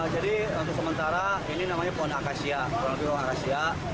jadi untuk sementara ini namanya pohon akasia